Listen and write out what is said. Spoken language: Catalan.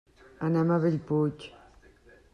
Anem a Bellpuig.